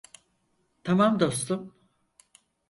Tamam, dostum.